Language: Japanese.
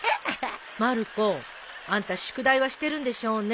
まる子あんた宿題はしてるんでしょうね。